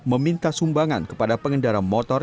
meminta sumbangan kepada pengendara motor